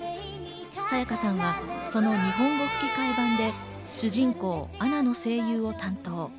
沙也加さんはその日本語吹き替え版で主人公・アナの声優を担当。